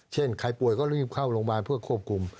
เช่นใครป่วยก็รีบเข้าโรงพยาบาลเพื่อควบคุม